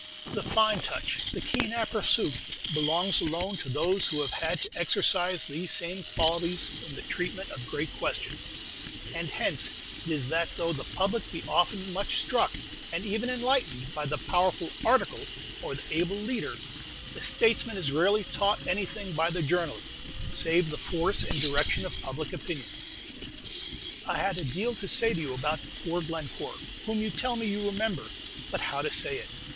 The fine touch, the keen aperçu, belongs alone to those who have had to exercise these same qualities in the treatment of great questions; and hence it is that though the Public be often much struck, and even enlightened, by the powerful "article" or the able "leader," the Statesman is rarely taught anything by the journalist, save the force and direction of public opinion. I had a deal to say to you about poor Glencore, whom you tell me you remember; but, how to say it?